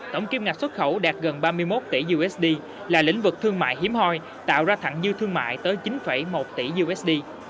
tổng kim ngạch xuất khẩu đạt gần ba mươi một tỷ usd là lĩnh vực thương mại hiếm hoi tạo ra thẳng dư thương mại tới chín một tỷ usd